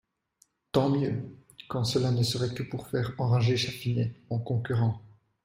Tant mieux ! quand cela ne serait que pour faire enrager Chatfinet, mon concurrent.